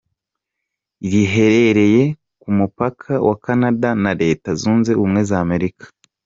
Riherereye ku mupaka wa Canada na Leta Zunze Ubumwe z’Amerika .